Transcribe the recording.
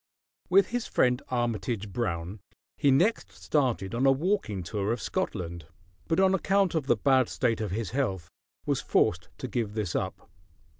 With his friend Armitage Brown he next started on a walking tour of Scotland; but on account of the bad state of his health was forced to give this up.